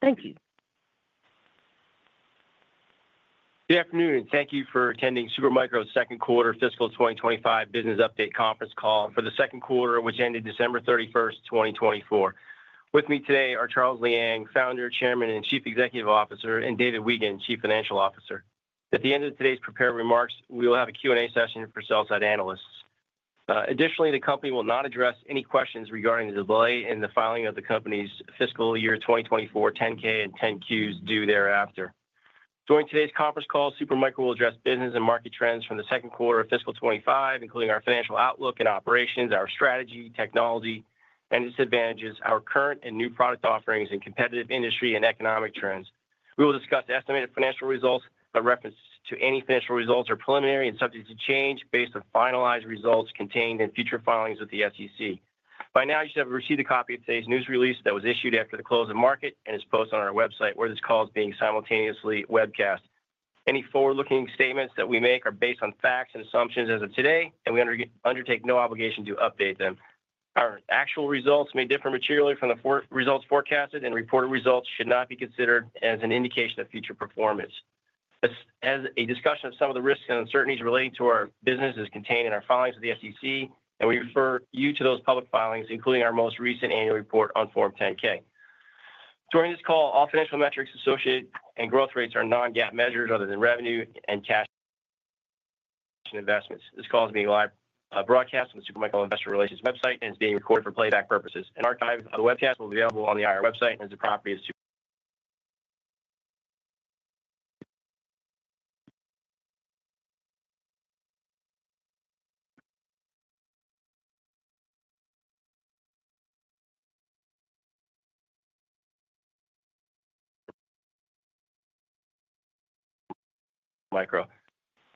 Thank you. Good afternoon, and thank you for attending Supermicro's second quarter fiscal 2025 business update conference call for the second quarter, which ended December 31st, 2024. With me today are Charles Liang, Founder, Chairman, and Chief Executive Officer, and David Weigand, Chief Financial Officer. At the end of today's prepared remarks, we will have a Q&A session for sell-side analysts. Additionally, the company will not address any questions regarding the delay in the filing of the company's fiscal year 2024 10-K and 10-Qs due thereafter. During today's conference call, Supermicro will address business and market trends from the second quarter of fiscal 25, including our financial outlook and operations, our strategy, technology, and advantages, our current and new product offerings, and competitive industry and economic trends. We will discuss estimated financial results by reference to any financial results that are preliminary and subject to change based on finalized results contained in future filings with the SEC. By now, you should have received a copy of today's news release that was issued after the close of market and is posted on our website where this call is being simultaneously webcast. Any forward-looking statements that we make are based on facts and assumptions as of today, and we undertake no obligation to update them. Our actual results may differ materially from the results forecasted, and reported results should not be considered as an indication of future performance. As a discussion of some of the risks and uncertainties relating to our business is contained in our filings with the SEC, and we refer you to those public filings, including our most recent annual report on Form 10-K. During this call, all financial metrics associated and growth rates are non-GAAP measures other than revenue and cash investments. This call is being broadcast on the Supermicro Investor Relations website and is being recorded for playback purposes. An archive of the webcast will be available on the IR website and is a property of Supermicro.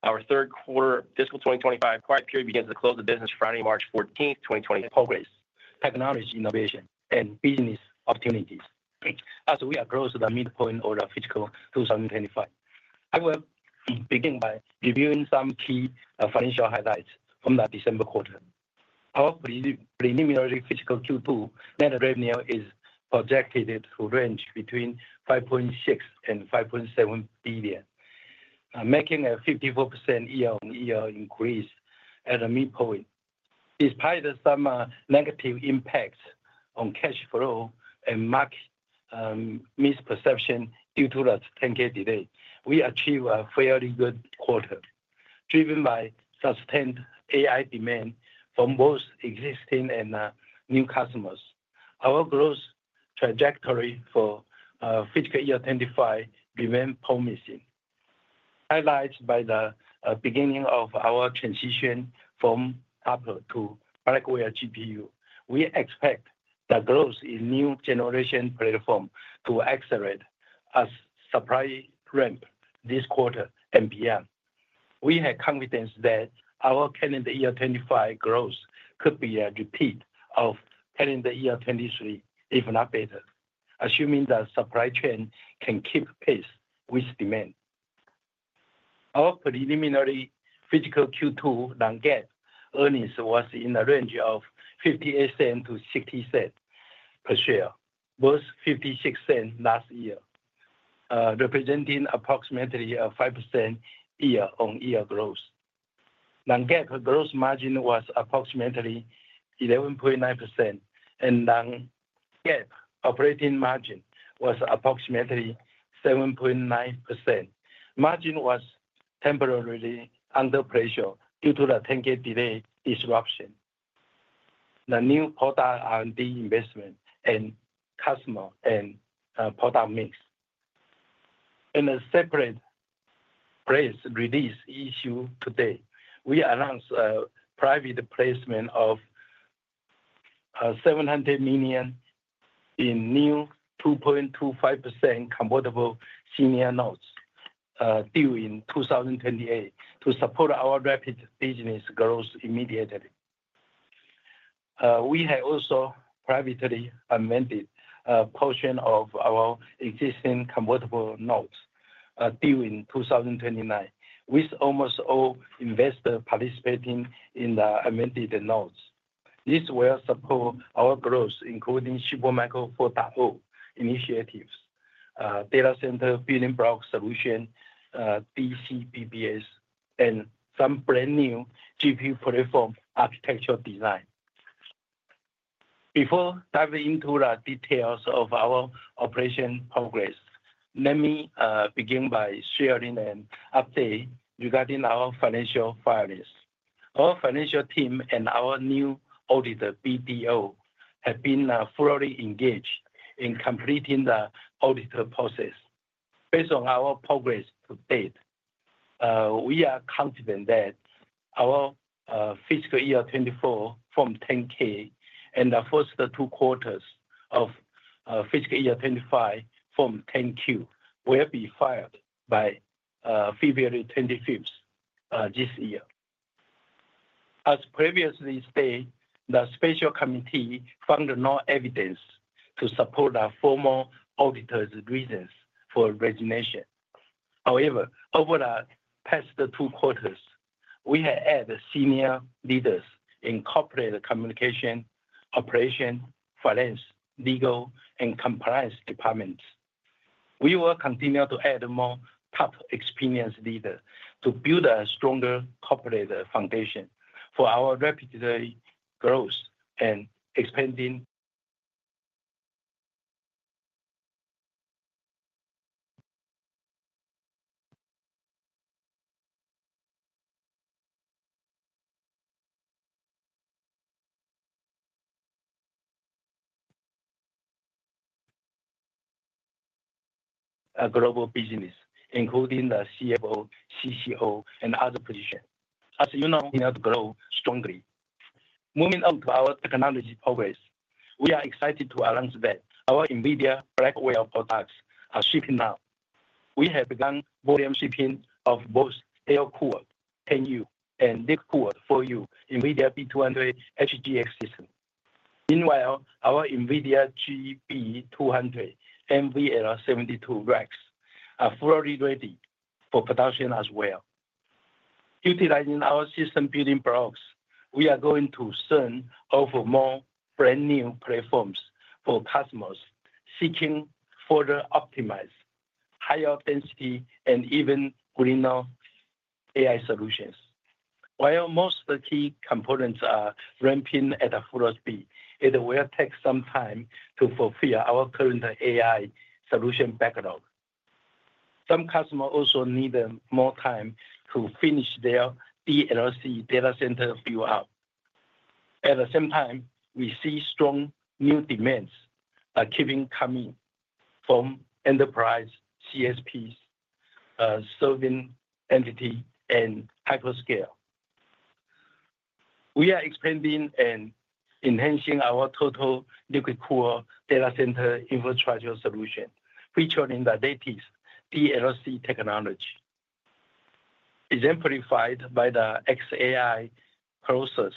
Our third quarter fiscal 2025 quiet period begins at the close of business Friday, March 14th, 2024. Focus on technology innovation and business opportunities. Also, we are close to the midpoint of the fiscal 2025. I will begin by reviewing some key financial highlights from the December quarter. Our preliminary fiscal Q2 net revenue is projected to range between $5.6 billion and $5.7 billion, making a 54% year-on-year increase at the midpoint. Despite some negative impacts on cash flow and market misperception due to the 10-K delay, we achieved a fairly good quarter, driven by sustained AI demand from both existing and new customers. Our growth trajectory for fiscal year 2025 remains promising. Highlighted by the beginning of our transition from Hopper to Blackwell GPU, we expect the growth in new generation platforms to accelerate as supply ramps this quarter and beyond. We have confidence that our calendar year 2025 growth could be a repeat of calendar year 2023, if not better, assuming the supply chain can keep pace with demand. Our preliminary fiscal Q2 non-GAAP earnings was in the range of $0.58-$0.60 per share, worth $0.56 last year, representing approximately a 5% year-on-year growth. Non-GAAP gross margin was approximately 11.9%, and non-GAAP operating margin was approximately 7.9%. Margin was temporarily under pressure due to the 10-K delay disruption, the new product R&D investment and customer and product mix. In a separate press release issued today, we announced a private placement of $700 million in new 2.25% convertible senior notes due in 2028 to support our rapid business growth immediately. We have also privately amended a portion of our existing convertible notes due in 2029, with almost all investors participating in the amended notes. This will support our growth, including Supermicro 4.0 initiatives, Data Center Building Block solution, DCBBS, and some brand new GPU platform architecture design. Before diving into the details of our operation progress, let me begin by sharing an update regarding our financial filings. Our financial team and our new auditor, BDO, have been thoroughly engaged in completing the auditor process. Based on our progress to date, we are confident that our fiscal year 2024 Form 10-K and the first two quarters of fiscal year 2025 Form 10-Q will be filed by February 25th this year. As previously stated, the special committee found no evidence to support the former auditor's reasons for resignation. However, over the past two quarters, we have added senior leaders in corporate communication, operation, finance, legal, and compliance departments. We will continue to add more top experienced leaders to build a stronger corporate foundation for our rapid growth and expanding global business, including the CFO, CCO, and other positions. As you know, we have grown strongly. Moving on to our technology progress, we are excited to announce that our NVIDIA Blackwell products are shipping now. We have begun volume shipping of both air-cooled 10U and liquid-cooled 4U NVIDIA B200 HGX systems. Meanwhile, our NVIDIA GB200 NVL72 racks are fully ready for production as well. Utilizing our system Building Blocks, we are going to soon offer more brand new platforms for customers seeking further optimized, higher density, and even greener AI solutions. While most of the key components are ramping at a full speed, it will take some time to fulfill our current AI solution backlog. Some customers also need more time to finish their DLC data center build-out. At the same time, we see strong new demands keep coming from enterprise CSPs, sovereign entities, and hyperscalers. We are expanding and enhancing our total liquid-cooled data center infrastructure solution, featuring the latest DLC technology. Exemplified by the xAI project,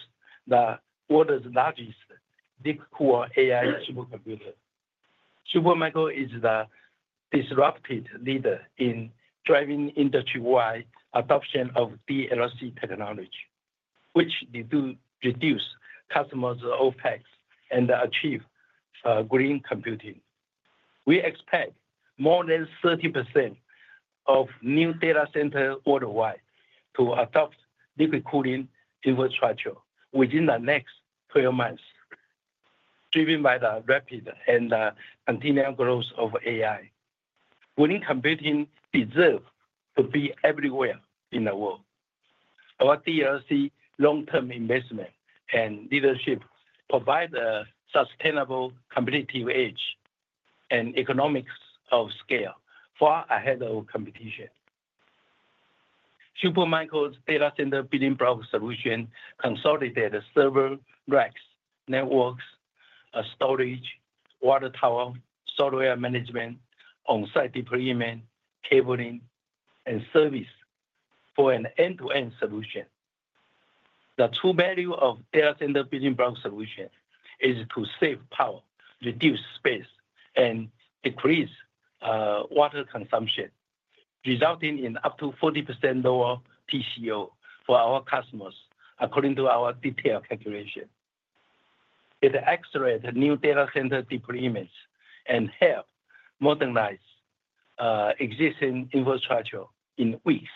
the world's largest liquid-cooled AI supercomputer, Supermicro is the disruptive leader in driving industry-wide adoption of DLC technology, which reduces customers' OPEX and achieves green computing. We expect more than 30% of new data centers worldwide to adopt liquid cooling infrastructure within the next 12 months, driven by the rapid and continual growth of AI. Green computing deserves to be everywhere in the world. Our DLC long-term investment and leadership provide a sustainable competitive edge and economies of scale far ahead of competition. Supermicro's Data Center Building Block solution consolidated server racks, networks, storage, water tower, software management, on-site deployment, cabling, and service for an end-to-end solution. The true value of Data Center Building Block solution is to save power, reduce space, and decrease water consumption, resulting in up to 40% lower TCO for our customers, according to our detailed calculation. It accelerates new data center deployments and helps modernize existing infrastructure in weeks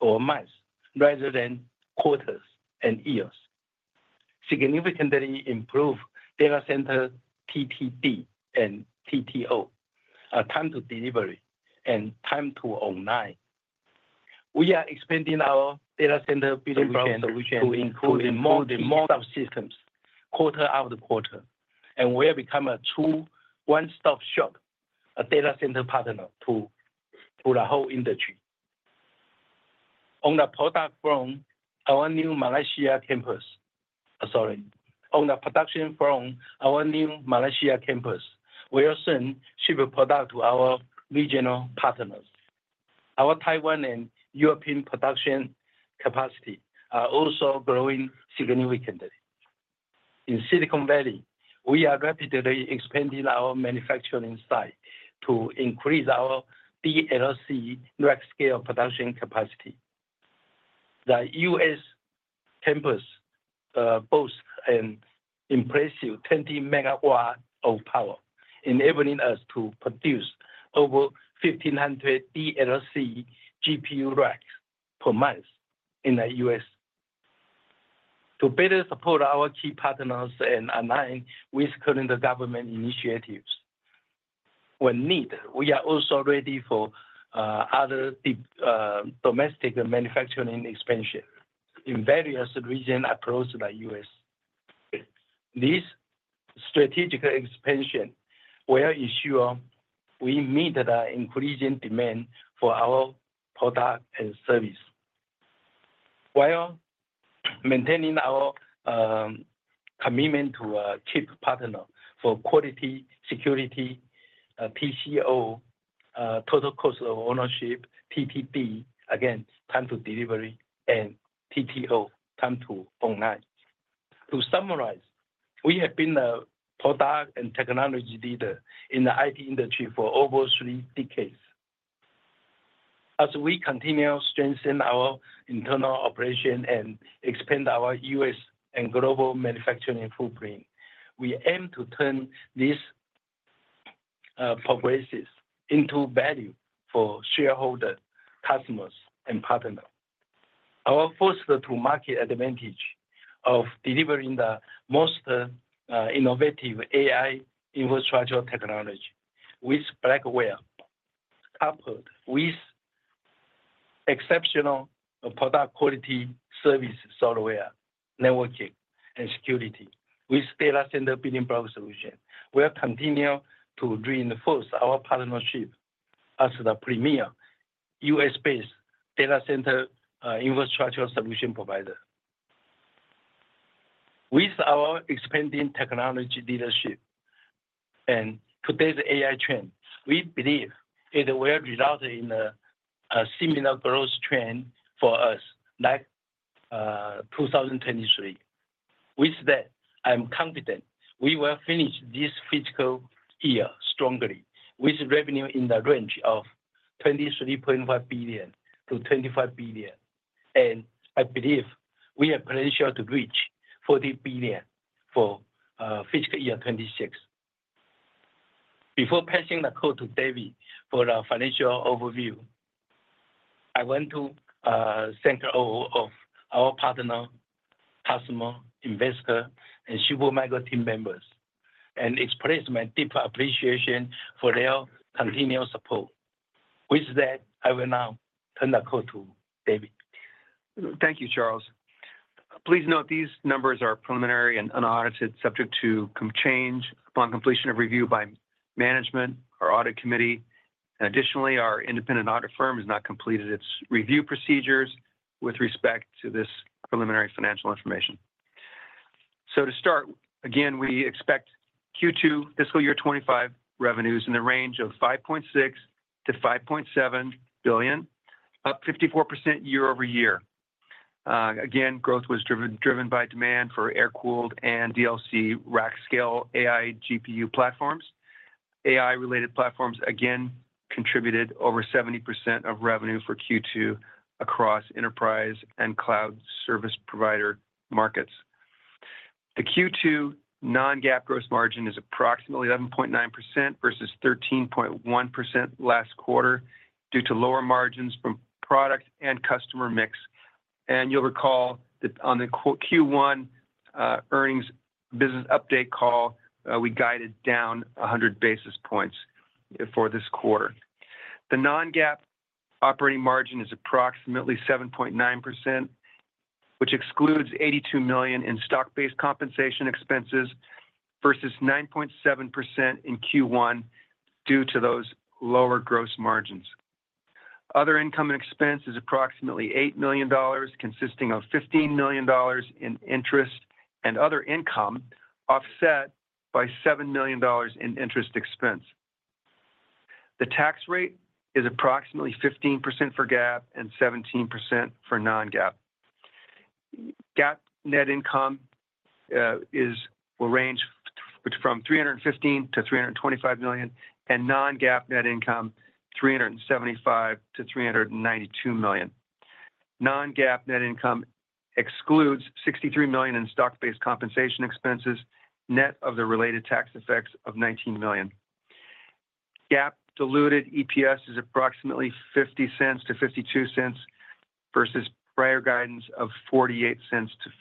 or months rather than quarters and years. Significantly improved data center TTD and TTO, time to delivery, and time to online. We are expanding our Data Center Building Block solution to include more than one subsystem quarter after quarter, and we have become a true one-stop shop data center partner to the whole industry. On the product front, our new Malaysia campus, sorry, on the production front, our new Malaysia campus will soon ship products to our regional partners. Our Taiwan and European production capacity are also growing significantly. In Silicon Valley, we are rapidly expanding our manufacturing site to increase our DLC rack scale production capacity. The U.S. campus boasts an impressive 20 megawatts of power, enabling us to produce over 1,500 DLC GPU racks per month in the U.S. To better support our key partners and align with current government initiatives, when needed, we are also ready for other domestic manufacturing expansion in various regions across the U.S. This strategic expansion will ensure we meet the increasing demand for our product and service. While maintaining our commitment to our chief partner for quality, security, TCO, total cost of ownership, TTD, again, time to delivery, and TTO, time to online. To summarize, we have been a product and technology leader in the IT industry for over three decades. As we continue to strengthen our internal operation and expand our U.S. and global manufacturing footprint, we aim to turn this progress into value for shareholders, customers, and partners. Our first-to-market advantage of delivering the most innovative AI infrastructure technology with Blackwell, coupled with exceptional product quality, service, software, networking, and security with data center Building Block solution, will continue to reinforce our partnership as the premier U.S.-based data center infrastructure solution provider. With our expanding technology leadership and today's AI trend, we believe it will result in a similar growth trend for us like 2023. With that, I'm confident we will finish this fiscal year strongly with revenue in the range of $23.5 billion-$25 billion. And I believe we have potential to reach $40 billion for fiscal year 2026. Before passing the call to David for the financial overview, I want to thank all of our partners, customers, investors, and Supermicro team members, and express my deep appreciation for their continued support. With that, I will now turn the call to David. Thank you, Charles. Please note these numbers are preliminary and unaudited, subject to change upon completion of review by management or audit committee. And additionally, our independent audit firm has not completed its review procedures with respect to this preliminary financial information. So to start, again, we expect Q2 fiscal year 2025 revenues in the range of $5.6-$5.7 billion, up 54% year over year. Again, growth was driven by demand for air-cooled and DLC rack scale AI GPU platforms. AI-related platforms again contributed over 70% of revenue for Q2 across enterprise and cloud service provider markets. The Q2 non-GAAP gross margin is approximately 11.9% versus 13.1% last quarter due to lower margins from product and customer mix. And you'll recall that on the Q1 earnings business update call, we guided down 100 basis points for this quarter. The non-GAAP operating margin is approximately 7.9%, which excludes $82 million in stock-based compensation expenses versus 9.7% in Q1 due to those lower gross margins. Other income and expense is approximately $8 million, consisting of $15 million in interest and other income offset by $7 million in interest expense. The tax rate is approximately 15% for GAAP and 17% for non-GAAP. GAAP net income will range from $315 million to $325 million, and non-GAAP net income $375 million to $392 million. Non-GAAP net income excludes $63 million in stock-based compensation expenses, net of the related tax effects of $19 million. GAAP diluted EPS is approximately $0.50-$0.52 versus prior guidance of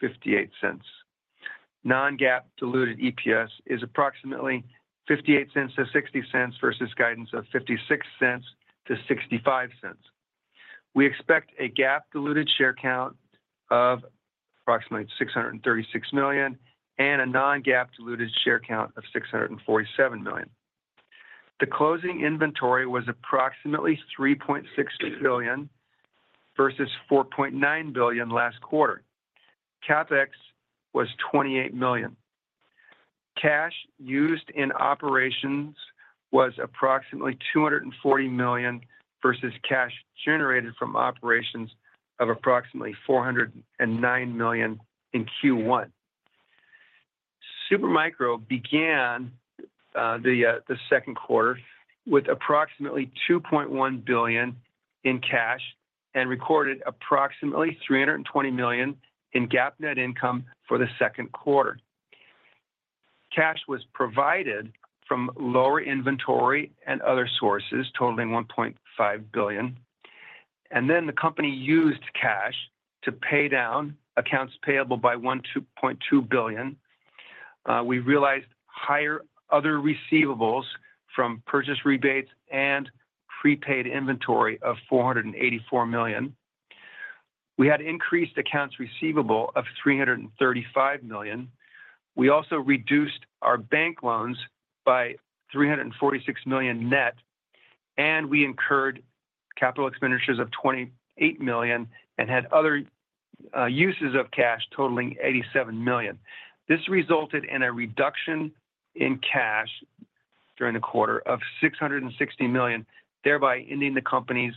$0.48-$0.58. Non-GAAP diluted EPS is approximately $0.58-$0.60 versus guidance of $0.56-$0.65. We expect a GAAP diluted share count of approximately 636 million and a non-GAAP diluted share count of 647 million. The closing inventory was approximately $3.6 billion versus $4.9 billion last quarter. CapEx was $28 million. Cash used in operations was approximately $240 million versus cash generated from operations of approximately $409 million in Q1. Supermicro began the second quarter with approximately $2.1 billion in cash and recorded approximately $320 million in GAAP net income for the second quarter. Cash was provided from lower inventory and other sources totaling $1.5 billion, and then the company used cash to pay down accounts payable by $1.2 billion. We realized higher other receivables from purchase rebates and prepaid inventory of $484 million. We had increased accounts receivable of $335 million. We also reduced our bank loans by $346 million net, and we incurred capital expenditures of $28 million and had other uses of cash totaling $87 million. This resulted in a reduction in cash during the quarter of $660 million, thereby ending the company's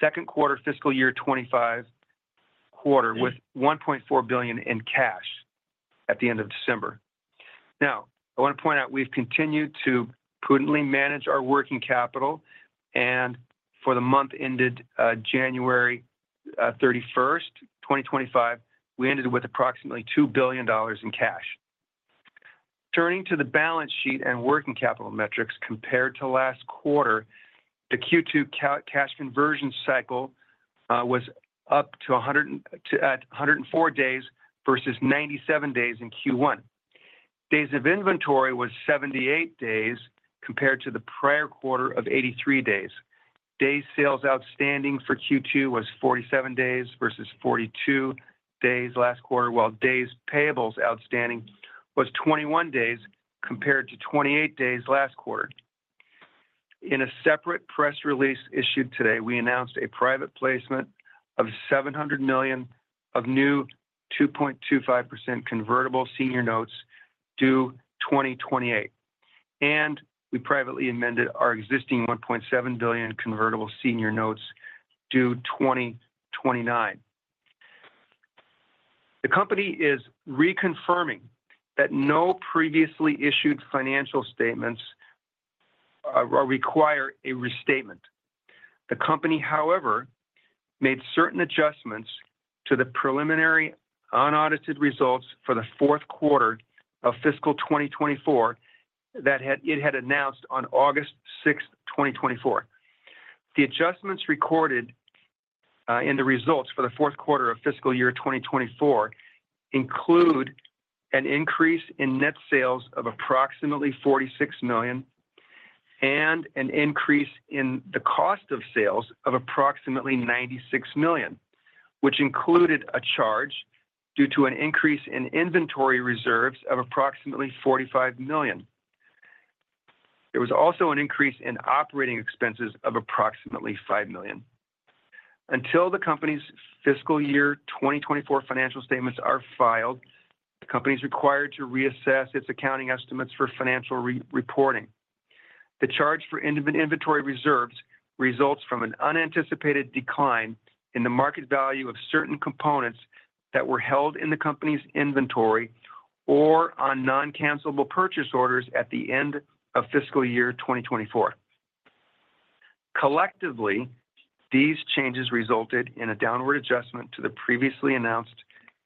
second quarter fiscal year 2025 with $1.4 billion in cash at the end of December. Now, I want to point out we've continued to prudently manage our working capital, and for the month ended January 31st, 2025, we ended with approximately $2 billion in cash. Turning to the balance sheet and working capital metrics compared to last quarter, the Q2 cash conversion cycle was up to 104 days versus 97 days in Q1. Days of inventory was 78 days compared to the prior quarter of 83 days. Days Sales Outstanding for Q2 was 47 days versus 42 days last quarter, while Days Payables Outstanding was 21 days compared to 28 days last quarter. In a separate press release issued today, we announced a private placement of $700 million of new 2.25% Convertible Senior Notes due 2028, and we privately amended our existing $1.7 billion Convertible Senior Notes due 2029. The company is reconfirming that no previously issued financial statements require a restatement. The company, however, made certain adjustments to the preliminary unaudited results for the fourth quarter of fiscal 2024 that it had announced on August 6th, 2024. The adjustments recorded in the results for the fourth quarter of fiscal year 2024 include an increase in net sales of approximately $46 million and an increase in the cost of sales of approximately $96 million, which included a charge due to an increase in inventory reserves of approximately $45 million. There was also an increase in operating expenses of approximately $5 million. Until the company's fiscal year 2024 financial statements are filed, the company is required to reassess its accounting estimates for financial reporting. The charge for inventory reserves results from an unanticipated decline in the market value of certain components that were held in the company's inventory or on non-cancelable purchase orders at the end of fiscal year 2024. Collectively, these changes resulted in a downward adjustment to the previously announced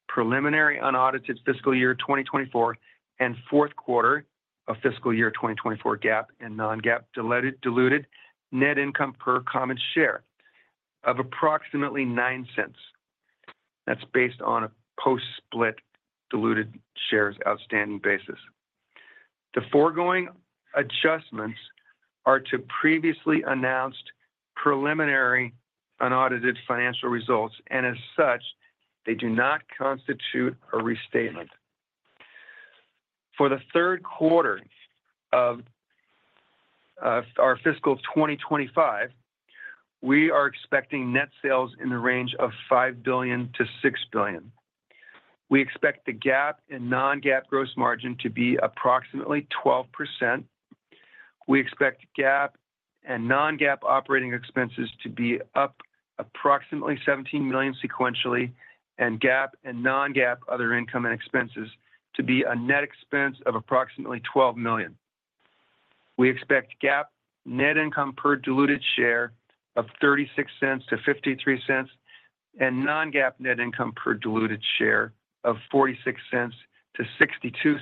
preliminary unaudited fiscal year 2024 and fourth quarter of fiscal year 2024 GAAP and non-GAAP diluted net income per common share of approximately $0.09. That's based on a post-split diluted shares outstanding basis. The foregoing adjustments are to previously announced preliminary unaudited financial results, and as such, they do not constitute a restatement. For the third quarter of our fiscal 2025, we are expecting net sales in the range of $5 billion-$6 billion. We expect the GAAP and non-GAAP gross margin to be approximately 12%. We expect GAAP and non-GAAP operating expenses to be up approximately $17 million sequentially, and GAAP and non-GAAP other income and expenses to be a net expense of approximately $12 million. We expect GAAP net income per diluted share of $0.36-$0.53, and non-GAAP net income per diluted share of $0.46-$0.62.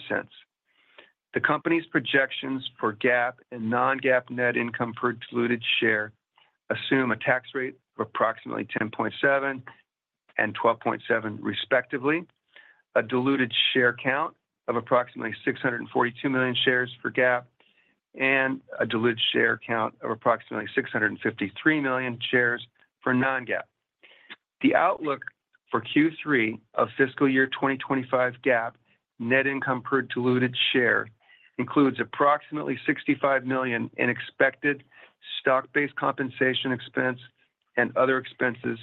The company's projections for GAAP and non-GAAP net income per diluted share assume a tax rate of approximately 10.7% and 12.7% respectively, a diluted share count of approximately 642 million shares for GAAP, and a diluted share count of approximately 653 million shares for non-GAAP. The outlook for Q3 of fiscal year 2025 GAAP net income per diluted share includes approximately $65 million in expected stock-based compensation expense and other expenses,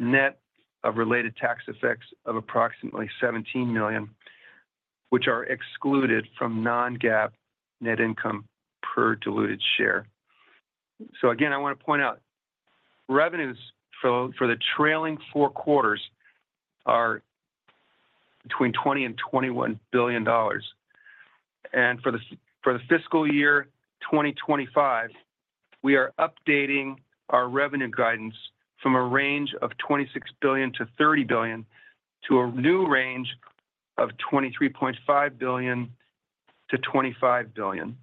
net of related tax effects of approximately $17 million, which are excluded from non-GAAP net income per diluted share, so again, I want to point out revenues for the trailing four quarters are between $20 billion and $21 billion. For the fiscal year 2025, we are updating our revenue guidance from a range of $26 billion-$30 billion to a new range of $23.5 billion-$25 billion.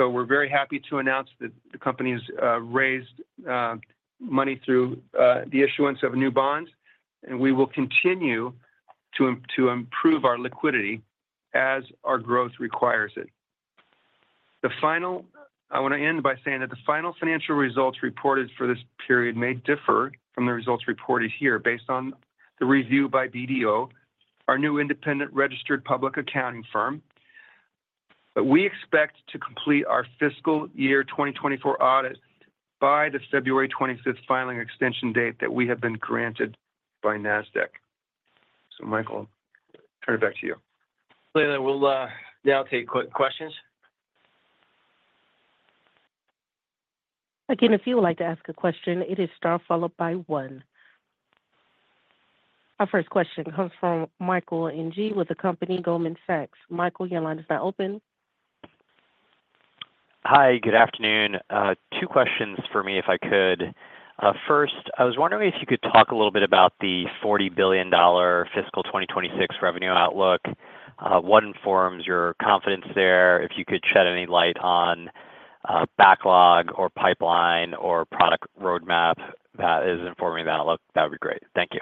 We're very happy to announce that the company has raised money through the issuance of new bonds, and we will continue to improve our liquidity as our growth requires it. I want to end by saying that the final financial results reported for this period may differ from the results reported here based on the review by BDO, our new independent registered public accounting firm. We expect to complete our fiscal year 2024 audit by the February 25th filing extension date that we have been granted by Nasdaq. Michael, turn it back to you. Clearly, we'll now take quick questions. Again, if you would like to ask a question, it is star followed by one. Our first question comes from Michael Ng with the company Goldman Sachs. Michael, your line is now open. Hi, good afternoon. Two questions for me if I could. First, I was wondering if you could talk a little bit about the $40 billion fiscal 2026 revenue outlook. What informs your confidence there? If you could shed any light on backlog or pipeline or product roadmap that is informing that outlook, that would be great. Thank you.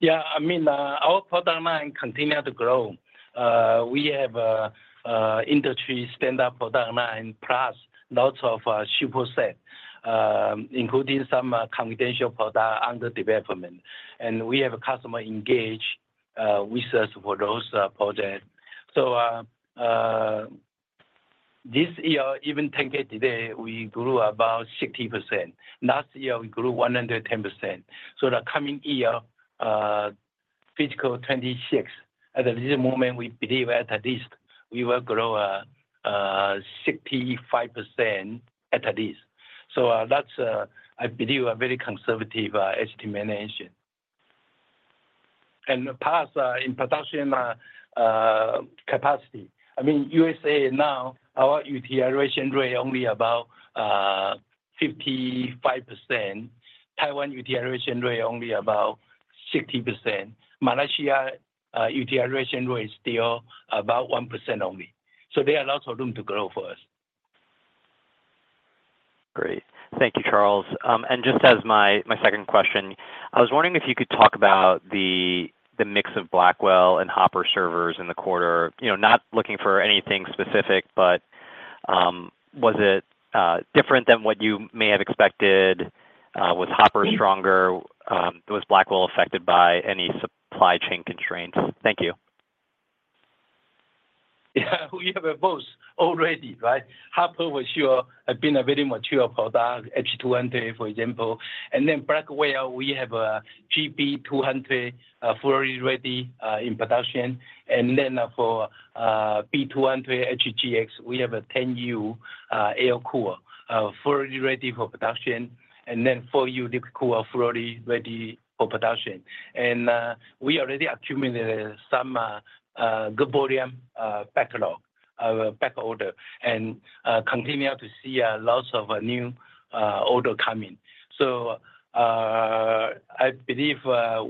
Yeah, I mean, our product line continues to grow. We have industry-standard product line plus lots of super set, including some confidential product under development. And we have customer engaged with us for those projects. So this year, even 10-K today, we grew about 60%. Last year, we grew 110%. So the coming year, fiscal 2026, at this moment, we believe at least we will grow 65% at least. So that's, I believe, a very conservative estimate issue. And plus in production capacity. I mean, USA now, our utilization rate only about 55%. Taiwan utilization rate only about 60%. Malaysia utilization rate is still about 1% only. So there are lots of room to grow for us. Great. Thank you, Charles. And just as my second question, I was wondering if you could talk about the mix of Blackwell and Hopper servers in the quarter, not looking for anything specific, but was it different than what you may have expected? Was Hopper stronger? Was Blackwell affected by any supply chain constraints? Thank you. Yeah, we have both already, right? Hopper has been a very mature product, H200, for example. And then Blackwell, we have GB200 fully ready in production. And then for B200 HGX, we have a 10U Air-cooled fully ready for production. And then 4U DeepCool fully ready for production. We already accumulated some good volume backlog, back order, and continue to see lots of new orders coming. So I believe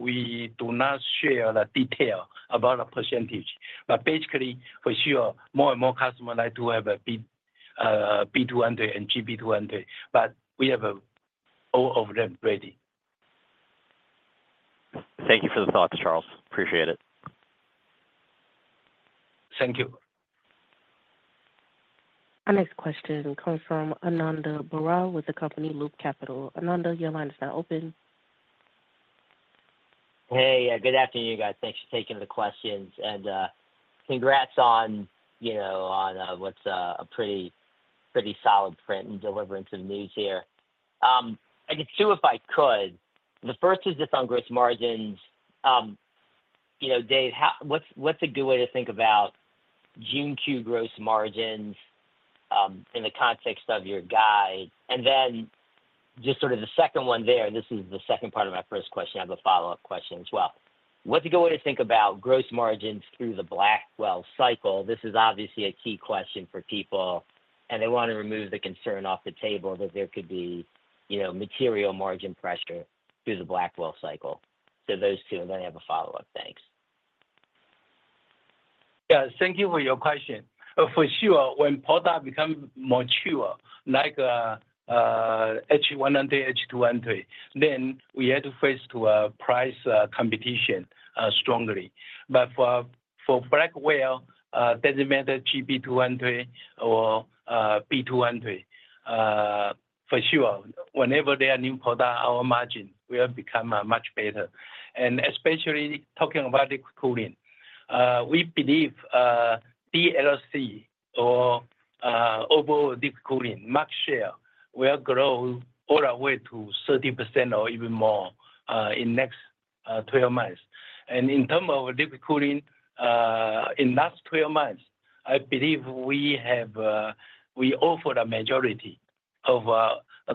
we do not share the detail about the percentage, but basically, for sure, more and more customers like to have a B200 and GB200. But we have all of them ready. Thank you for the thoughts, Charles. Appreciate it. Thank you. Our next question comes from Ananda Baruah with the company Loop Capital. Ananda, your line is now open. Hey, good afternoon, you guys. Thanks for taking the questions. And congrats on what's a pretty solid print and delivery of news here. The first is just on gross margins. Dave, what's a good way to think about June Q gross margins in the context of your guide? And then just sort of the second one there, this is the second part of my first question. I have a follow-up question as well. What's a good way to think about gross margins through the Blackwell cycle? This is obviously a key question for people, and they want to remove the concern off the table that there could be material margin pressure through the Blackwell cycle. So those two, and then I have a follow-up. Thanks. Yeah, thank you for your question. For sure, when product becomes mature, like H100, H200, then we had to face price competition strongly. But for Blackwell, doesn't matter GB200 or B200, for sure, whenever they are new product, our margin will become much better. Especially talking about liquid cooling, we believe DLC or overall liquid cooling market share will grow all the way to 30% or even more in the next 12 months. In terms of liquid cooling, in the last 12 months, I believe we offered a majority of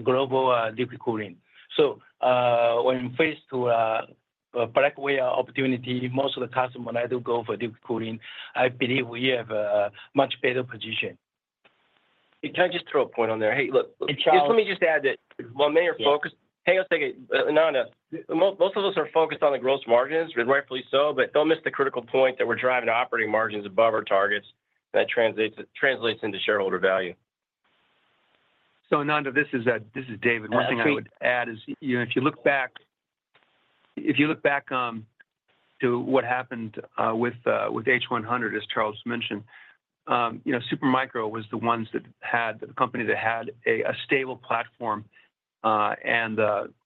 global liquid cooling. When faced with Blackwell opportunity, most of the customers like to go for liquid cooling, I believe we have a much better position. Can I just throw a point on there? Hey, look, let me just add that while many are focused, hey, I'll take it. Ananda, most of us are focused on the gross margins, rightfully so, but don't miss the critical point that we're driving operating margins above our targets, and that translates into shareholder value. Ananda, this is David. One thing I would add is if you look back, if you look back to what happened with H100, as Charles mentioned, Supermicro was the ones that had the company that had a stable platform,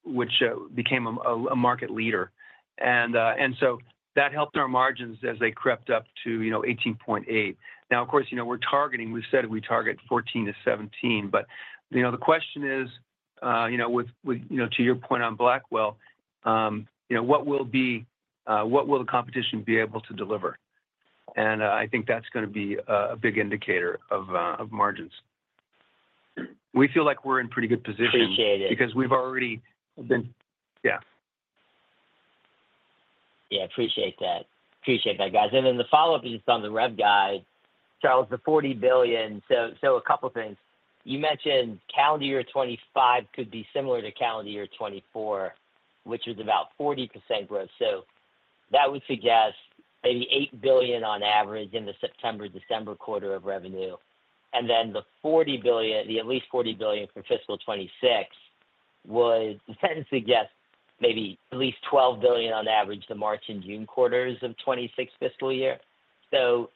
which became a market leader. And so that helped our margins as they crept up to 18.8%. Now, of course, we're targeting. We said we target 14%-17%, but the question is, to your point on Blackwell, what will the competition be able to deliver? And I think that's going to be a big indicator of margins. We feel like we're in pretty good position because we've already been. Yeah. Yeah, appreciate that. Appreciate that, guys. And then the follow-up is just on the rev guide. Charles, the $40 billion. So a couple of things. You mentioned calendar year 2025 could be similar to calendar year 2024, which was about 40% growth. So that would suggest maybe $8 billion on average in the September, December quarter of revenue. And then the at least $40 billion for fiscal 2026 would then suggest maybe at least $12 billion on average the March and June quarters of 2026 fiscal year. So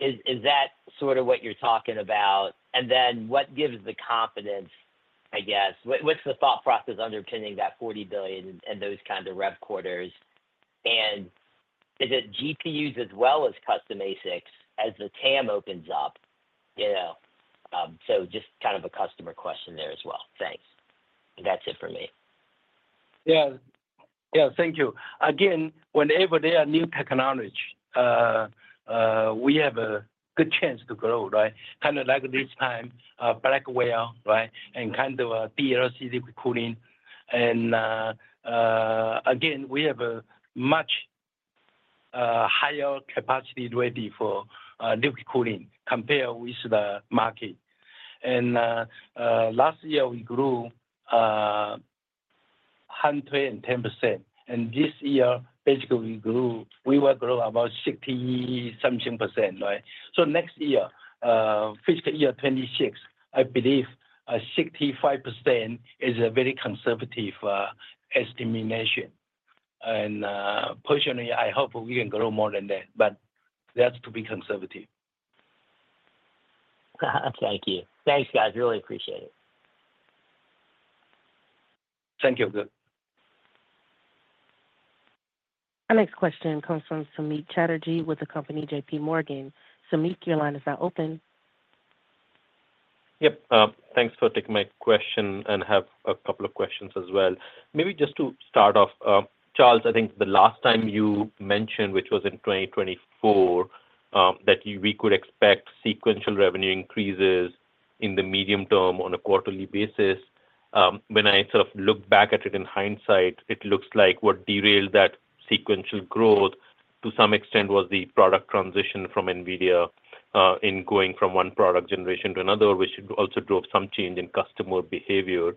is that sort of what you're talking about? And then what gives the confidence, I guess? What's the thought process underpinning that $40 billion and those kinds of rev quarters? And is it GPUs as well as custom ASICs as the TAM opens up? So just kind of a customer question there as well. Thanks. That's it for me. Yeah. Yeah, thank you. Again, whenever there are new technologies, we have a good chance to grow, right? Kind of like this time, Blackwell, right, and kind of DLC liquid cooling. And again, we have a much higher capacity ready for DLC cooling compared with the market. And last year, we grew 110%. And this year, basically, we will grow about 60-something %. Right? So next year, fiscal year 2026, I believe 65% is a very conservative estimation. And personally, I hope we can grow more than that, but that's to be conservative. Thank you. Thanks, guys. Really appreciate it. Thank you. Good. Our next question comes from Samik Chatterjee with the company J.P. Morgan. Samik, your line is now open. Yep. Thanks for taking my question and have a couple of questions as well. Maybe just to start off, Charles, I think the last time you mentioned, which was in 2024, that we could expect sequential revenue increases in the medium term on a quarterly basis. When I sort of look back at it in hindsight, it looks like what derailed that sequential growth to some extent was the product transition from NVIDIA in going from one product generation to another, which also drove some change in customer behavior.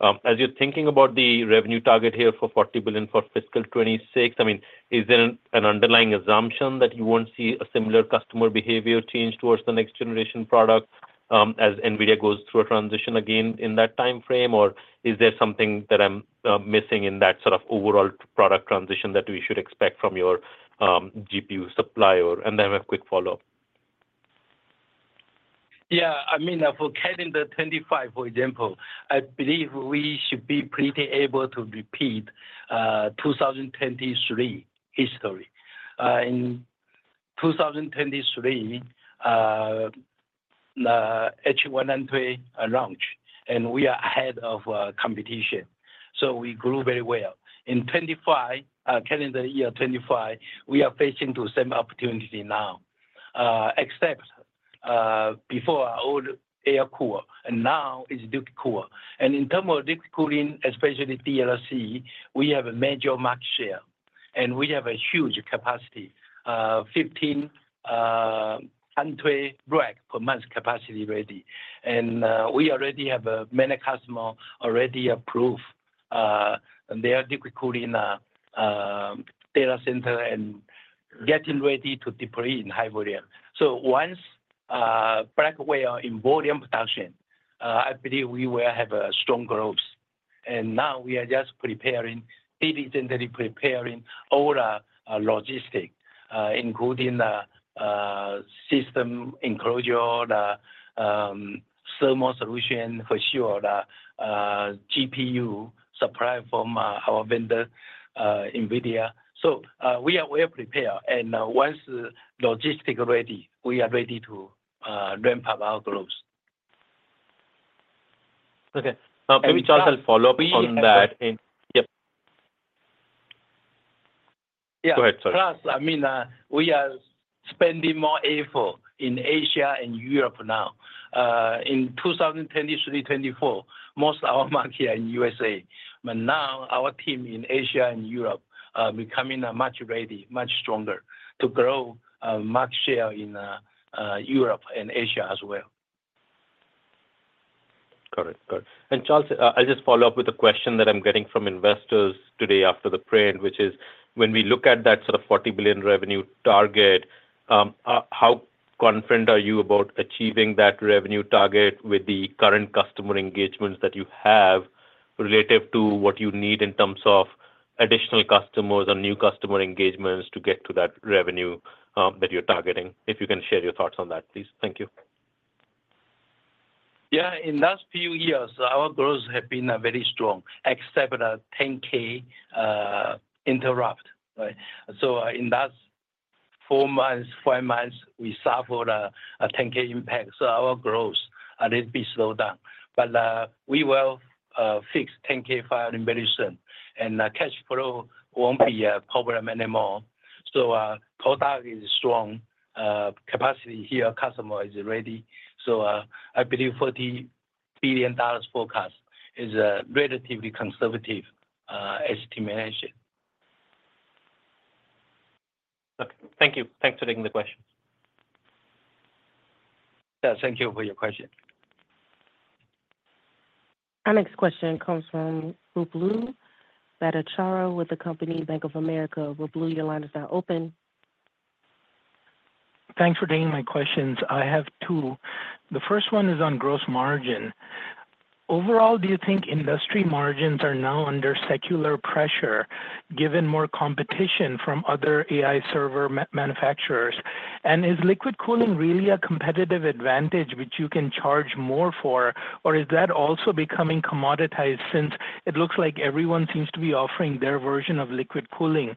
As you're thinking about the revenue target here for $40 billion for fiscal 2026, I mean, is there an underlying assumption that you won't see a similar customer behavior change towards the next generation product as NVIDIA goes through a transition again in that timeframe, or is there something that I'm missing in that sort of overall product transition that we should expect from your GPU supplier? And then a quick follow-up. Yeah. I mean, for calendar 2025, for example, I believe we should be pretty able to repeat 2023 history. In 2023, H100 launched, and we are ahead of competition. So we grew very well. In 2025, calendar year 2025, we are facing the same opportunity now, except before our old air cool, and now it's deep cool. And in terms of liquid cooling, especially DLC, we have a major market share, and we have a huge capacity, 1,500 racks per month capacity ready. And we already have many customers already approved their liquid cooling data center and getting ready to deploy in high volume. So once Blackwell in volume production, I believe we will have a strong growth. And now we are just preparing, diligently preparing all our logistics, including system enclosure, thermal solution, for sure, GPU supply from our vendor, NVIDIA. So we are well prepared. And once logistics are ready, we are ready to ramp up our growth. Okay. Maybe Charles will follow up on that. Yep. Yeah. Go ahead. Sorry. Plus, I mean, we are spending more effort in Asia and Europe now. In 2023, 2024, most of our market in the USA, but now our team in Asia and Europe is becoming much more ready, much stronger to grow market share in Europe and Asia as well. Got it. Got it. And Charles, I'll just follow up with a question that I'm getting from investors today after the print, which is, when we look at that sort of $40 billion revenue target, how confident are you about achieving that revenue target with the current customer engagements that you have relative to what you need in terms of additional customers and new customer engagements to get to that revenue that you're targeting? If you can share your thoughts on that, please. Thank you. Yeah. In the last few years, our growth has been very strong, except 10-K interruption, right? So in the last four months, five months, we suffered a 10-K impact. So our growth a little bit slowed down. But we will fix 10-K filing very soon, and cash flow won't be a problem anymore. So product is strong. Capacity here, customer is ready. So I believe $40 billion forecast is a relatively conservative estimation. Okay. Thank you. Thanks for taking the question. Yeah. Thank you for your question. Our next question comes from Ruplu Bhattacharya with the company Bank of America. Ruplu, your line is now open. Thanks for taking my questions. I have two. The first one is on gross margin. Overall, do you think industry margins are now under secular pressure given more competition from other AI server manufacturers? And is liquid cooling really a competitive advantage which you can charge more for, or is that also becoming commoditized since it looks like everyone seems to be offering their version of liquid cooling?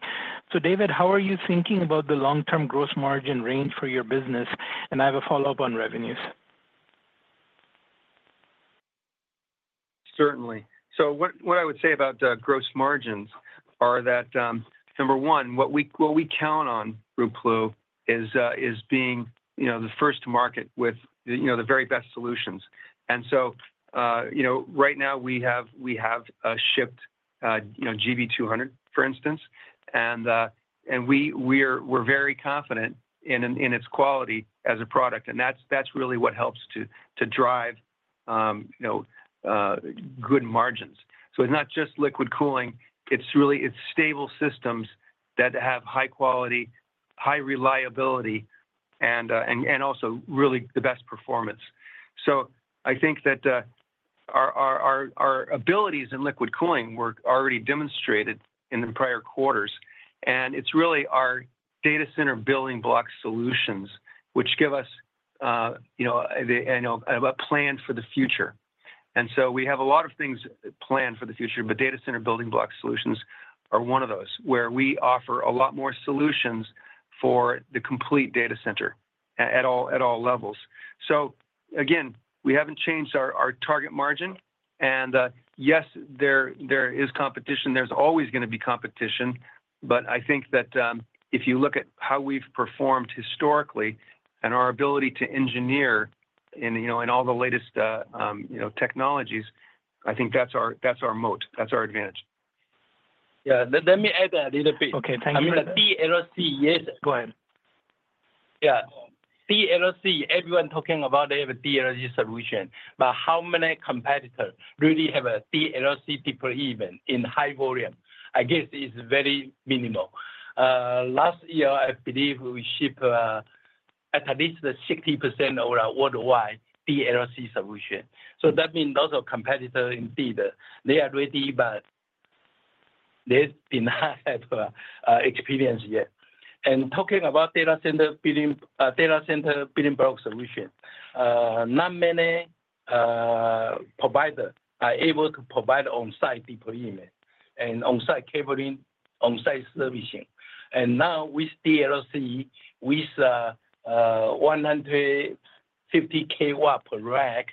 So David, how are you thinking about the long-term gross margin range for your business? And I have a follow-up on revenues. Certainly. So what I would say about gross margins are that, number one, what we count on, Ruplu, is being the first to market with the very best solutions. And so right now, we have shipped GB200, for instance, and we're very confident in its quality as a product. And that's really what helps to drive good margins. So it's not just liquid cooling. It's stable systems that have high quality, high reliability, and also really the best performance. So I think that our abilities in liquid cooling were already demonstrated in the prior quarters. And it's really our data center Building Block solutions, which give us a plan for the future. And so we have a lot of things planned for the future, but data center Building Block solutions are one of those where we offer a lot more solutions for the complete data center at all levels. So again, we haven't changed our target margin. And yes, there is competition. There's always going to be competition. But I think that if you look at how we've performed historically and our ability to engineer in all the latest technologies, I think that's our moat. That's our advantage. Yeah. Let me add that a little bit. Okay. Thank you. I mean, the DLC, yes. Go ahead. Yeah. DLC, everyone talking about they have a DLC solution. But how many competitors really have a DLC deployment in high volume? I guess it's very minimal. Last year, I believe we shipped at least 60% of our worldwide DLC solution. So that means those are competitors indeed. They are ready, but they haven't had experience yet. And talking about data center Building Block solution, not many providers are able to provide on-site deployment and on-site cabling, on-site servicing. And now with DLC, with 150 kW per rack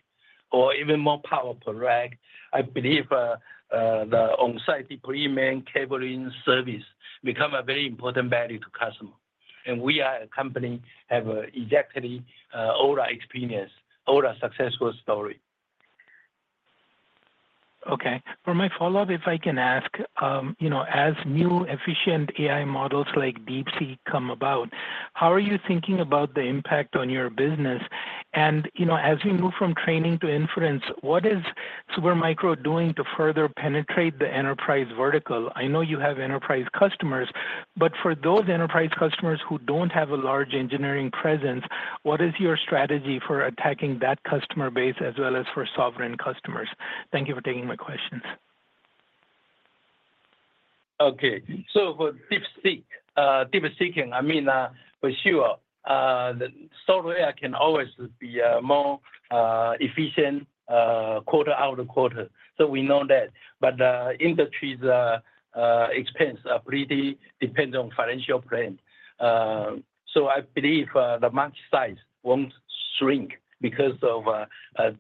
or even more power per rack, I believe the on-site deployment cabling service becomes a very important value to customers. And we are a company that has exactly all our experience, all our success stories. Okay. For my follow-up, if I can ask, as new efficient AI models like DeepSeek come about, how are you thinking about the impact on your business? And as we move from training to inference, what is Supermicro doing to further penetrate the enterprise vertical? I know you have enterprise customers, but for those enterprise customers who don't have a large engineering presence, what is your strategy for attacking that customer base as well as for sovereign customers? Thank you for taking my questions. Okay. So for DeepSeek, I mean, for sure, the software can always be more efficient quarter after quarter. So we know that. But industry's expense pretty depends on financial plan. So I believe the market size won't shrink because of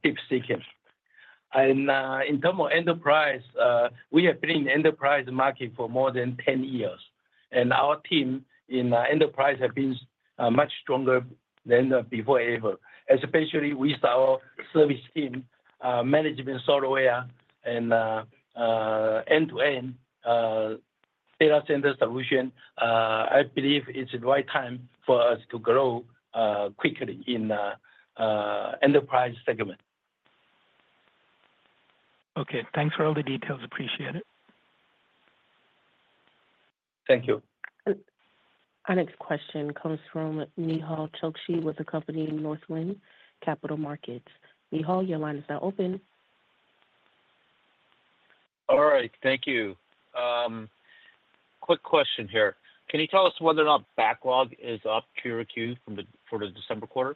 DeepSeek. And in terms of enterprise, we have been in the enterprise market for more than 10 years. And our team in enterprise has been much stronger than before ever, especially with our service team, management software, and end-to-end data center solution. I believe it's the right time for us to grow quickly in the enterprise segment. Okay. Thanks for all the details. Appreciate it. Thank you. Our next question comes from Nihal Chokshi with the company Northland Capital Markets. Nihal, your line is now open. All right. Thank you. Quick question here. Can you tell us whether or not backlog is up year-over-year for the December quarter?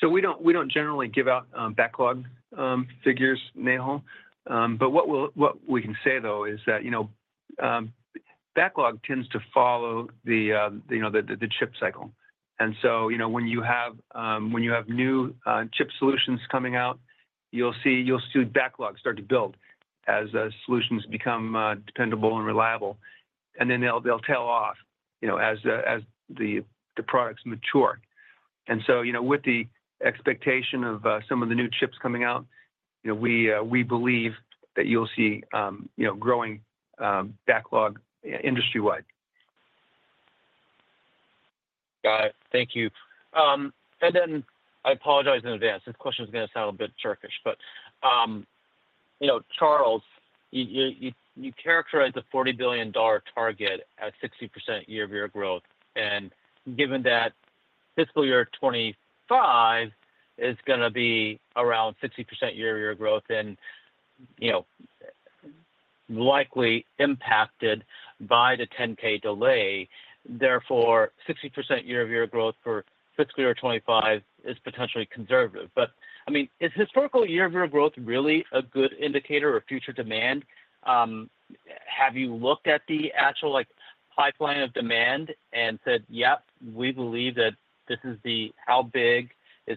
So we don't generally give out backlog figures, Nihal. But what we can say, though, is that backlog tends to follow the chip cycle. And so when you have new chip solutions coming out, you'll see backlog start to build as solutions become dependable and reliable. And then they'll tail off as the products mature. And so with the expectation of some of the new chips coming out, we believe that you'll see growing backlog industry-wide. Got it. Thank you. And then I apologize in advance. This question is going to sound a little bit turgid, but Charles, you characterized the $40 billion target as 60% year-over-year growth. Given that fiscal year 2025 is going to be around 60% year-over-year growth and likely impacted by the 10-K delay, therefore, 60% year-over-year growth for fiscal year 2025 is potentially conservative. But I mean, is historical year-over-year growth really a good indicator of future demand? Have you looked at the actual pipeline of demand and said, "Yep, we believe that this is how big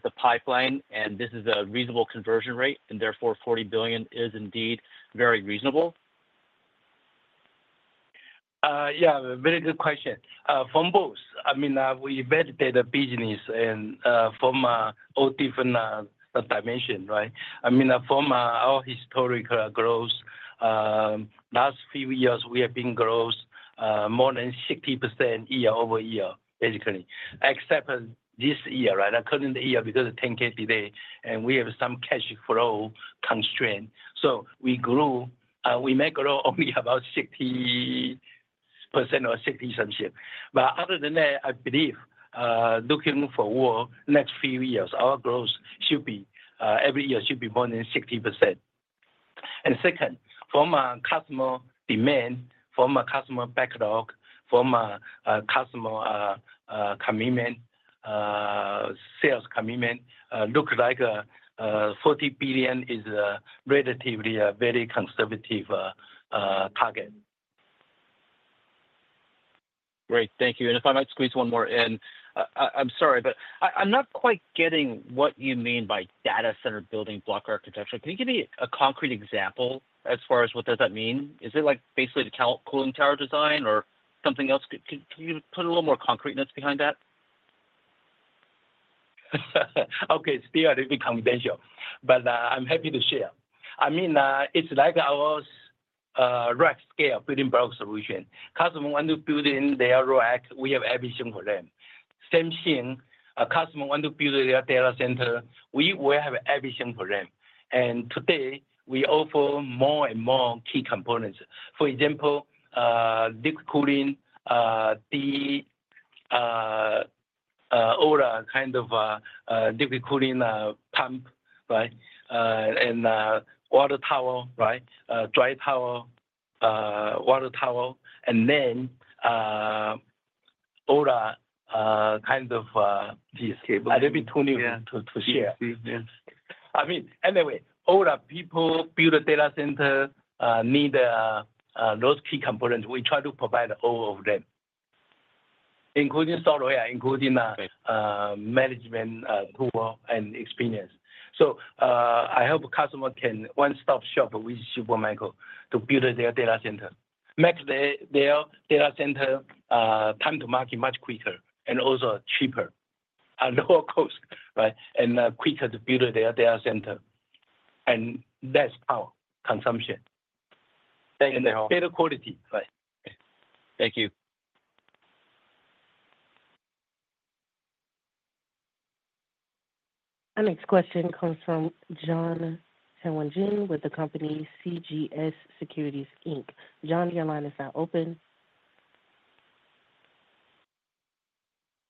the pipeline is, and this is a reasonable conversion rate, and therefore, $40 billion is indeed very reasonable"? Yeah. Very good question. From both, I mean, we validate the business from all different dimensions, right? I mean, from our historical growth, last few years, we have been growing more than 60% year-over-year, basically, except this year, right? The current year, because of 10-K delay, and we have some cash flow constraint. So we may grow only about 60% or 60-something. But other than that, I believe, looking forward, next few years, our growth should be every year should be more than 60%. And second, from customer demand, from customer backlog, from customer commitment, sales commitment, looks like $40 billion is a relatively very conservative target. Great. Thank you. And if I might squeeze one more in, I'm sorry, but I'm not quite getting what you mean by data center Building Block architecture. Can you give me a concrete example as far as what does that mean? Is it basically the cooling tower design or something else? Can you put a little more concreteness behind that? Okay. It's very conventional, but I'm happy to share. I mean, it's like our rack scale Building Block solution. Customers want to build in their rack. We have everything for them. Same thing, customers want to build their data center. We will have everything for them. And today, we offer more and more key components. For example, liquid cooling, all kinds of liquid cooling pump, right? And water tower, right? Dry tower, water tower. And then all kinds of. A little bit too new to share. I mean, anyway, all the people build a data center need those key components. We try to provide all of them, including software, including management tool and experience. So I hope customers can one-stop shop with Supermicro to build their data center, make their data center time to market much quicker and also cheaper, lower cost, right? And quicker to build their data center. And that's power consumption. And better quality, right? Thank you. Our next question comes from John Hewan Jin with the company CJS Securities, Inc. John, your line is now open.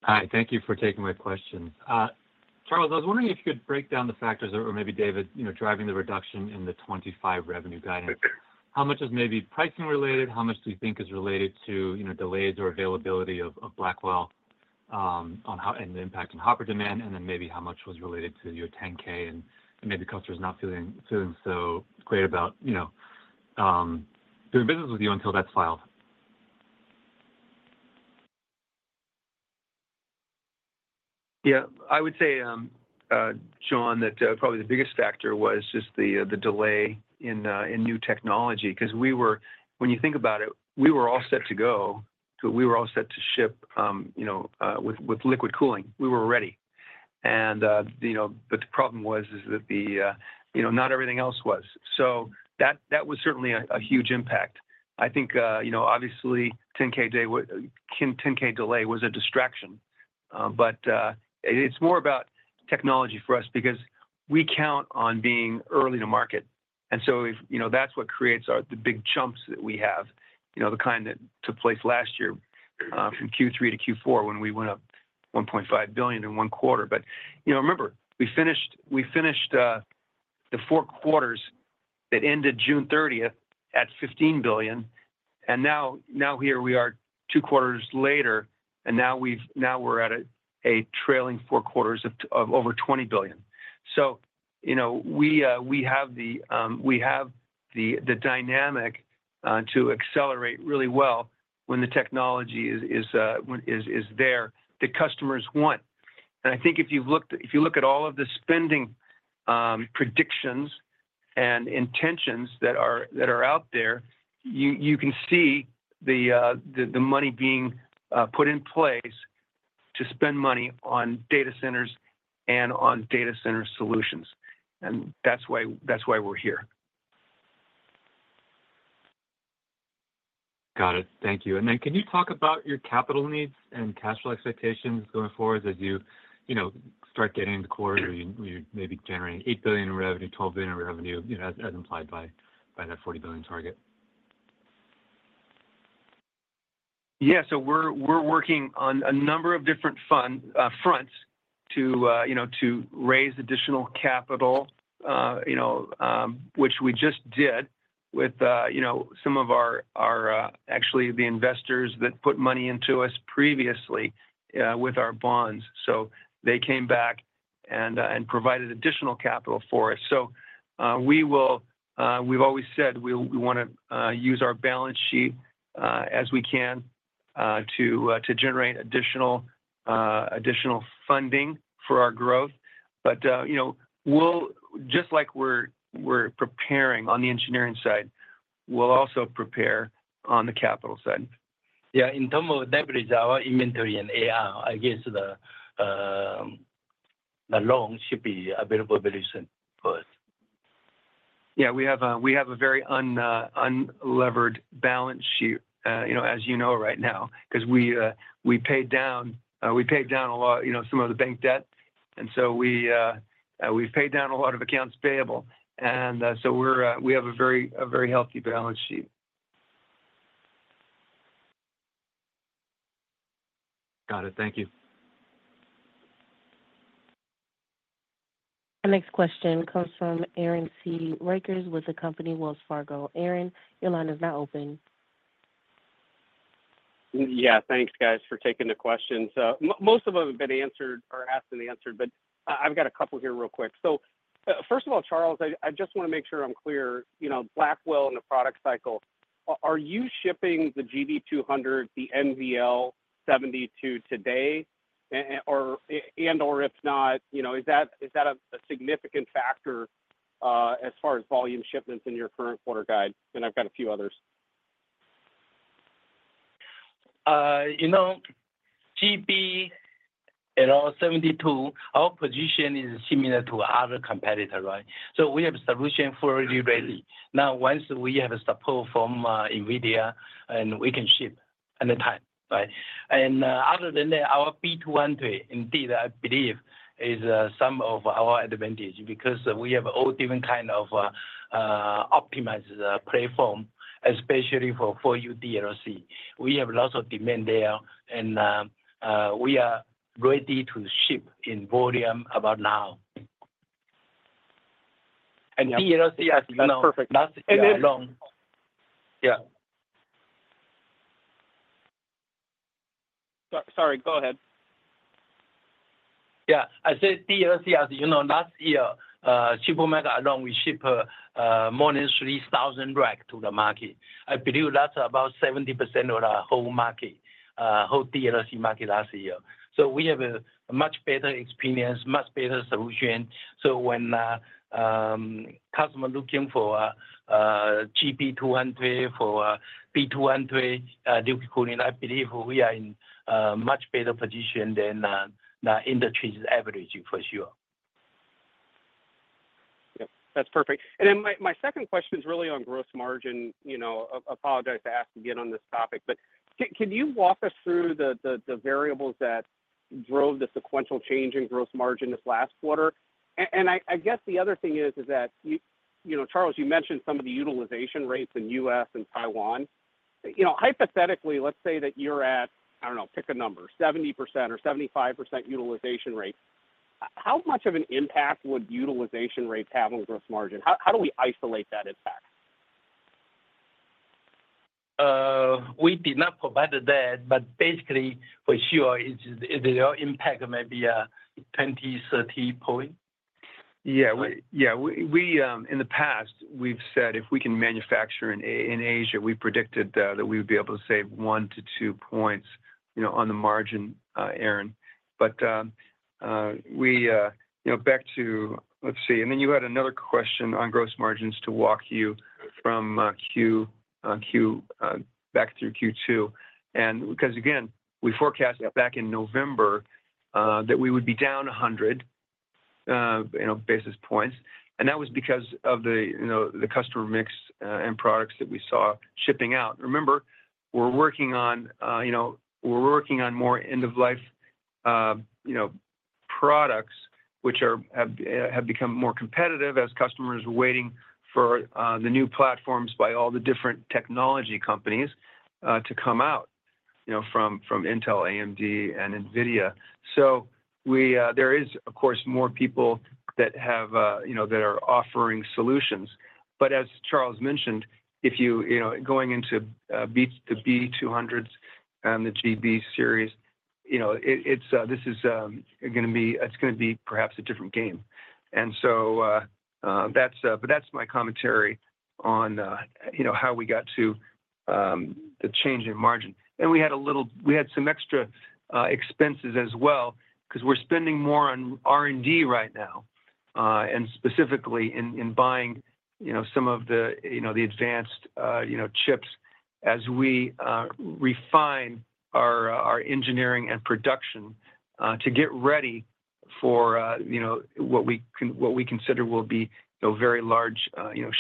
Hi. Thank you for taking my question. Charles, I was wondering if you could break down the factors that were maybe, David, driving the reduction in the 2025 revenue guidance. How much is maybe pricing related? How much do you think is related to delays or availability of Blackwell and the impact on Hopper demand? And then maybe how much was related to your 10-K and maybe customers not feeling so great about doing business with you until that's filed? Yeah. I would say, John, that probably the biggest factor was just the delay in new technology. Because when you think about it, we were all set to go. We were all set to ship with liquid cooling. We were ready. But the problem was that not everything else was. So that was certainly a huge impact. I think, obviously, 10-K delay was a distraction. But it's more about technology for us because we count on being early to market. And so that's what creates the big jumps that we have, the kind that took place last year from Q3 to Q4 when we went up $1.5 billion in one quarter. But remember, we finished the four quarters that ended June 30th at $15 billion. And now here we are two quarters later, and now we're at a trailing four quarters of over $20 billion. So we have the dynamic to accelerate really well when the technology is there that customers want. And I think if you look at all of the spending predictions and intentions that are out there, you can see the money being put in place to spend money on data centers and on data center solutions. And that's why we're here. Got it. Thank you. Then can you talk about your capital needs and cash flow expectations going forward as you start getting into quarters where you may be generating $8 billion in revenue, $12 billion in revenue, as implied by that $40 billion target? Yeah. So we're working on a number of different fronts to raise additional capital, which we just did with some of our, actually, the investors that put money into us previously with our bonds. So they came back and provided additional capital for us. So we've always said we want to use our balance sheet as we can to generate additional funding for our growth. But just like we're preparing on the engineering side, we'll also prepare on the capital side. Yeah. In terms of leverage, our inventory and AR against the loan should be available very soon for us. Yeah. We have a very unlevered balance sheet, as you know, right now, because we paid down a lot of some of the bank debt. And so we've paid down a lot of accounts payable. And so we have a very healthy balance sheet. Got it. Thank you. Our next question comes from Aaron Rakers with the company Wells Fargo. Aaron, your line is now open. Yeah. Thanks, guys, for taking the questions. Most of them have been answered or asked and answered, but I've got a couple here real quick. So first of all, Charles, I just want to make sure I'm clear. Blackwell and the product cycle, are you shipping the GB200, the NVL72 today? And/or if not, is that a significant factor as far as volume shipments in your current quarter guide? And I've got a few others. GB200 NVL72, our position is similar to other competitors, right? So we have a solution already ready. Now, once we have support from NVIDIA, we can ship anytime, right? And other than that, our B200, indeed, I believe, is some of our advantage because we have all different kinds of optimized platform, especially for 4U DLC. We have lots of demand there, and we are ready to ship in volume about now. And DLC has been last year alone. I said DLC has last year, Supermicro alone, we shipped more than 3,000 racks to the market. I believe that's about 70% of the whole market, whole DLC market last year. So we have a much better experience, much better solution. So when customers are looking for GB200, for B200 liquid cooling, I believe we are in a much better position than the industry's average, for sure. Yep. That's perfect. And then my second question is really on gross margin. Apologize to ask again on this topic, but can you walk us through the variables that drove the sequential change in gross margin this last quarter? And I guess the other thing is that, Charles, you mentioned some of the utilization rates in the U.S. and Taiwan. Hypothetically, let's say that you're at, I don't know, pick a number, 70% or 75% utilization rate. How much of an impact would utilization rates have on gross margin? How do we isolate that impact? We did not provide that, but basically, for sure, the impact may be 20, 30 points. Yeah. Yeah. In the past, we've said if we can manufacture in Asia, we predicted that we would be able to save one to two points on the margin, Aaron. But back to, let's see. And then you had another question on gross margins to walk you back through Q2. And because, again, we forecast back in November that we would be down 100 basis points. And that was because of the customer mix and products that we saw shipping out. Remember, we're working on more end-of-life products, which have become more competitive as customers are waiting for the new platforms by all the different technology companies to come out from Intel, AMD, and NVIDIA. So there is, of course, more people that are offering solutions. But as Charles mentioned, going into the B200s and the GB series, this is going to be perhaps a different game. And so that's my commentary on how we got to the change in margin. And we had some extra expenses as well because we're spending more on R&D right now, and specifically in buying some of the advanced chips as we refine our engineering and production to get ready for what we consider will be very large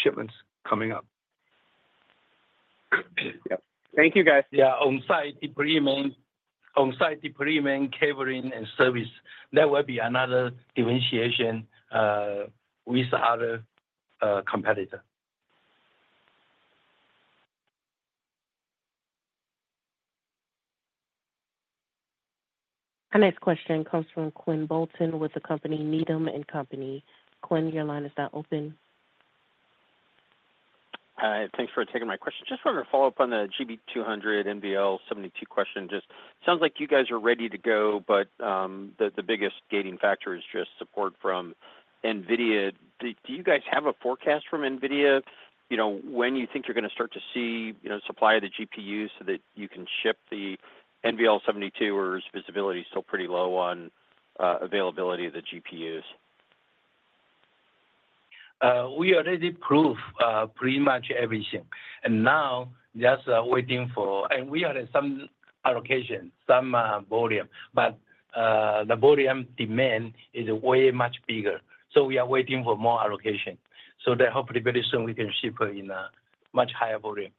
shipments coming up. Yep. Thank you, guys. Yeah. On-site deployment, cabling, and service. That will be another differentiation with other competitors. Our next question comes from Quinn Bolton with the company Needham & Company. Quinn, your line is now open. Hi. Thanks for taking my question. Just wanted to follow up on the GB200, NVL72 question. Just sounds like you guys are ready to go, but the biggest gating factor is just support from NVIDIA. Do you guys have a forecast from NVIDIA when you think you're going to start to see supply of the GPUs so that you can ship the NVL72 or is visibility still pretty low on availability of the GPUs? We already proved pretty much everything. And now just waiting for and we are at some allocation, some volume. But the volume demand is way much bigger. So we are waiting for more allocation. So that hopefully very soon we can ship in a much higher volume.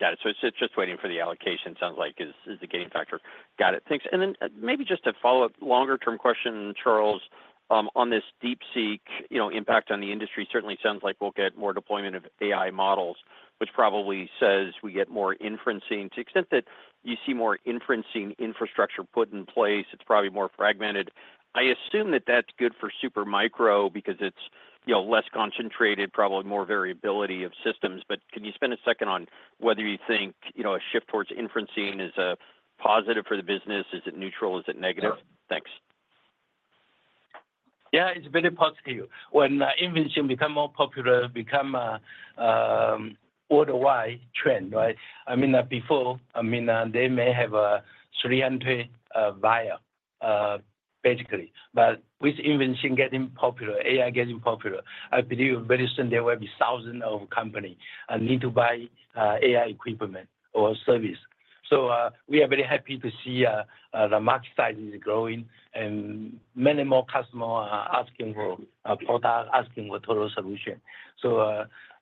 Got it. So it's just waiting for the allocation, sounds like, is the gating factor. Got it. Thanks. And then maybe just a follow-up longer-term question, Charles, on this DeepSeek impact on the industry. Certainly sounds like we'll get more deployment of AI models, which probably says we get more inferencing to the extent that you see more inferencing infrastructure put in place. It's probably more fragmented. I assume that that's good for Supermicro because it's less concentrated, probably more variability of systems. But can you spend a second on whether you think a shift towards inferencing is a positive for the business? Is it neutral? Is it negative? Thanks. Yeah. It's very positive. When inferencing becomes more popular, becomes a worldwide trend, right? I mean, before, I mean, they may have 300 buyers basically. But with inferencing getting popular, AI getting popular, I believe very soon there will be thousands of companies need to buy AI equipment or service. So we are very happy to see the market size is growing and many more customers are asking for a product, asking for total solution.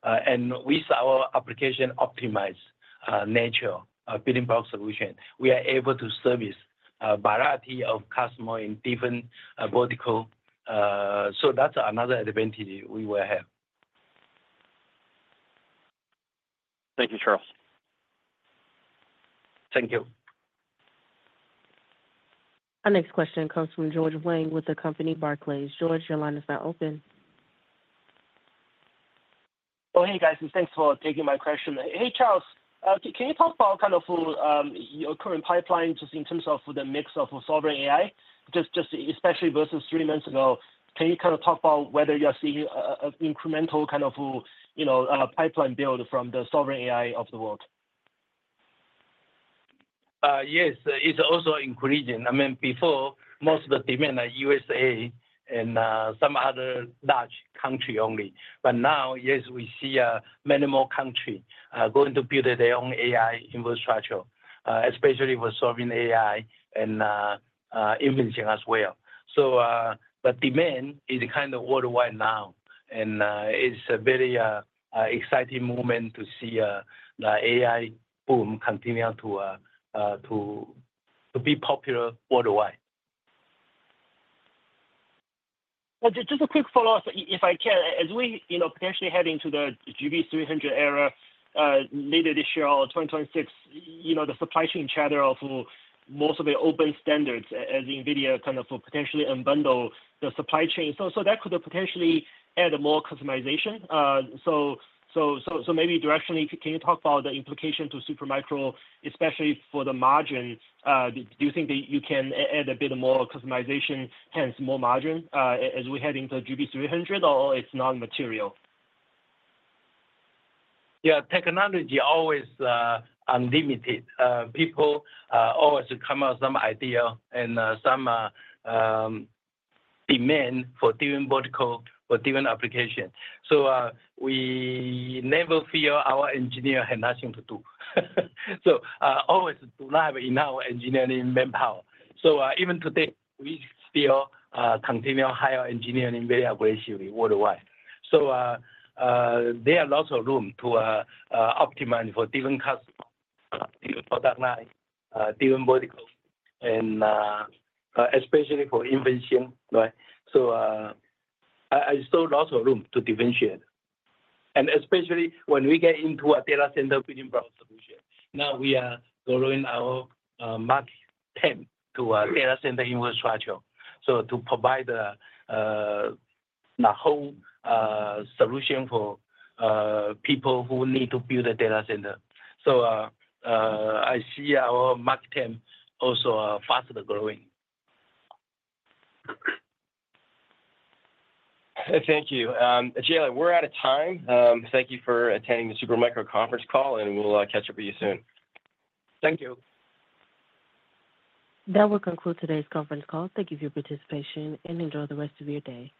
And with our application optimized nature, Building Block solution, we are able to service a variety of customers in different verticals. So that's another advantage we will have. Thank you, Charles. Thank you. Our next question comes from George Wang with the company Barclays. George, your line is now open. Oh, hey, guys. And thanks for taking my question. Hey, Charles. Can you talk about kind of your current pipeline just in terms of the mix of sovereign AI, just especially versus three months ago? Can you kind of talk about whether you're seeing an incremental kind of pipeline build from the sovereign AI of the world? Yes. It's also increasing. I mean, before, most of the demand was USA and some other large countries only. But now, yes, we see many more countries going to build their own AI infrastructure, especially for sovereign AI and inferencing as well. So the demand is kind of worldwide now. And it's a very exciting moment to see the AI boom continue to be popular worldwide. Just a quick follow-up, if I can. As we potentially head into the GB300 era later this year or 2026, the supply chain chatter of most of the open standards as NVIDIA kind of potentially unbundle the supply chain. So that could potentially add more customization. So maybe directionally, can you talk about the implication to Supermicro, especially for the margin? Do you think that you can add a bit more customization, hence more margin, as we head into GB300, or it's non-material? Yeah. Technology is always unlimited. People always come up with some idea and some demand for different vertical, for different applications. So we never feel our engineers have nothing to do. So always live in our engineering manpower. So even today, we still continue hiring engineers very aggressively worldwide. So there are lots of room to optimize for different customers, different product lines, different verticals, and especially for inferencing, right? So I see lots of room to differentiate. And especially when we get into a data center Building Block solution, now we are growing our marketing team to a data center infrastructure. So to provide the whole solution for people who need to build a data center. So I see our marketing team also faster growing. Thank you. Jayla, we're out of time. Thank you for attending the Supermicro conference call, and we'll catch up with you soon. Thank you. That will conclude today's conference call. Thank you for your participation, and enjoy the rest of your day.